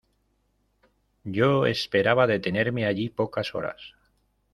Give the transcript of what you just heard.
yo esperaba detenerme allí pocas horas.